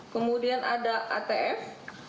kemudian ada atf